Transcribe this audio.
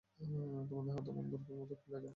তোমার হাত অমন বরফের মতো ঠাণ্ডা কেন?